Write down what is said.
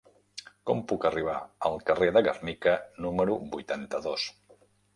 Com puc arribar al carrer de Gernika número vuitanta-dos?